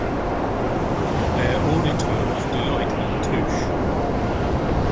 Their auditor was Deloitte and Touche.